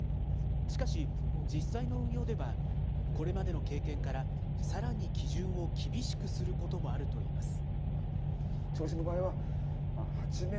しかし、実際の運用では、これまでの経験からさらに基準を厳しくすることもあるといいます。